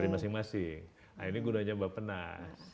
dari masing masing nah ini gunanya mbak penas